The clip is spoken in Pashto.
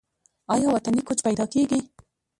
آیا وطني کوچ پیدا کیږي؟